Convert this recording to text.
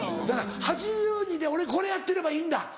だから８２で俺これやってればいいんだ。